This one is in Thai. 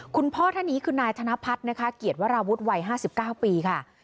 คุณพ่อท่านนี้คือนายธนพัฒน์นะคะเกียรติวราวุฒิวัย๕๙ปีค่ะ